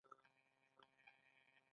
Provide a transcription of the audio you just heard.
په پایله کې به د ګټې بیه برابره شي